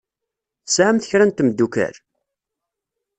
Tesɛamt kra n temddukal?